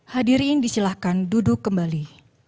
hadirin disilahkan duduk kembali